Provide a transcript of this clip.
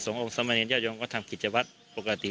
ทรงองค์สมรเนียนยาชยมก็ทำกิจวัตรปกติ